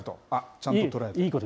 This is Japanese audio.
ちゃんと捉えて。